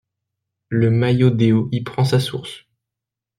Le Mayo Déo y prend sa source.